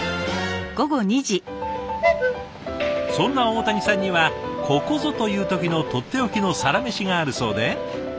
そんな大谷さんにはここぞという時のとっておきのサラメシがあるそうで。